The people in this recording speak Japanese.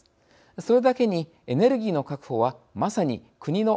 それだけにエネルギーの確保はまさに国の安全保障問題です。